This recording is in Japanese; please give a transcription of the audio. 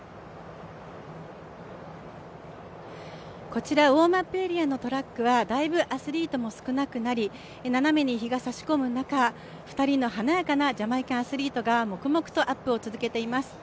こちらウォームアップエリアのトラックは、だいぶアスリートも少なくなり斜めに日が差し込む中、２人の華やかなジャマイカアスリートが黙々とアップを続けています。